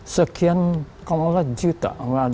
sekian kalau tidak juta